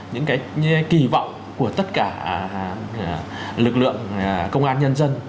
những cái kỳ vọng của tất cả lực lượng công an nhân dân